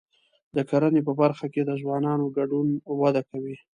د کرنې په برخه کې د ځوانانو ګډون وده کوي.